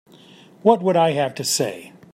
What would I have to say?